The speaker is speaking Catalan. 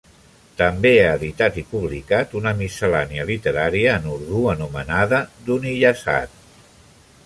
També ha editat i publicat una miscel·lània literària en urdú anomenada "Duniyazad".